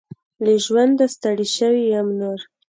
له ژونده ستړي شوي يم نور .